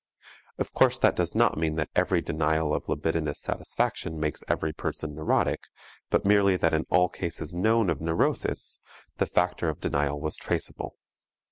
Of course, that does not mean that every denial of libidinous satisfaction makes every person neurotic, but merely that in all cases known of neurosis, the factor of denial was traceable.